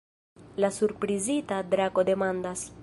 La surprizita drako demandas.